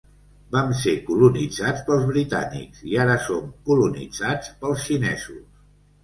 Vam ser colonitzats pels britànics i ara som colonitzats pels xinesos.